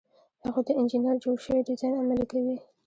هغوی د انجینر جوړ شوی ډیزاین عملي کوي.